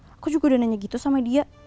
aku juga udah nanya gitu sama dia